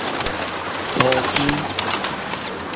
塗州